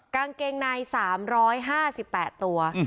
กางเกงใน๓๕๘ตัว